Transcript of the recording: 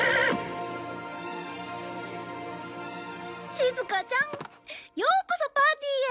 しずかちゃんようこそパーティーへ！